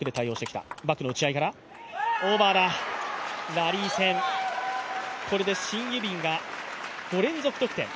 ラリー戦、これでシン・ユビンが５連続得点。